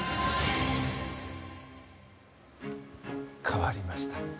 変わりました。